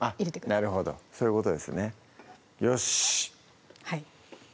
なるほどそういうことですねよし